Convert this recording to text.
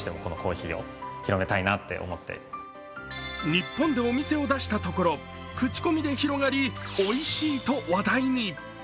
日本でお店を出したところ口コミで広がり、おいしいと話題に。